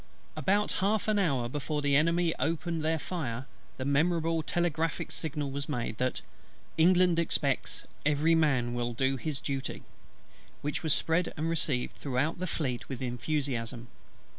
About half an hour before the Enemy opened their fire, the memorable telegraphic signal was made, that "ENGLAND EXPECTS EVERY MAN WILL DO HIS DUTY," which was spread and received throughout the Fleet with enthusiasm.